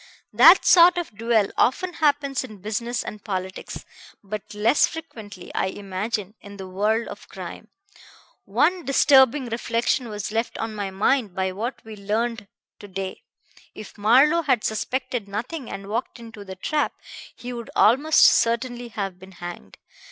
That sort of duel often happens in business and politics, but less frequently, I imagine, in the world of crime. One disturbing reflection was left on my mind by what we learned to day. If Marlowe had suspected nothing and walked into the trap, he would almost certainly have been hanged.